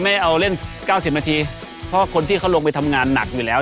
ไม่เอาเล่นเก้าสิบนาทีเพราะว่าคนที่เขาลงไปทำงานหนักอยู่แล้ว